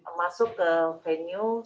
akan masuk ke venue